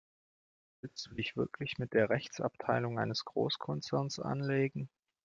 Willst du dich wirklich mit der Rechtsabteilung eines Großkonzerns anlegen?